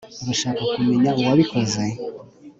urashaka kumenya uwabikoze